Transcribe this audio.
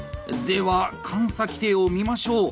では監査規定を見ましょう。